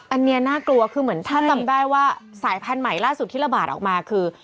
อันนี้น่ากลัวคือเหมือนถ้าจำได้ว่าสายพันธุ์ใหม่ล่าสุดที่ระบาดออกมาคือ